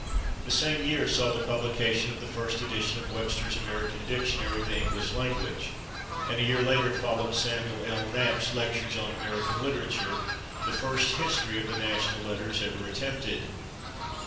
The same year saw the publication of the first edition of [Pg070] Webster's American Dictionary of the English language, and a year later followed Samuel L. Knapp's "Lectures on American Literature," the first history of the national letters ever attempted.